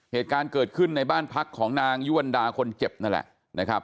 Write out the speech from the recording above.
เหตุการณ์เกิดขึ้นในบ้านพักของนางยุวรรณดาคนเจ็บนั่นแหละนะครับ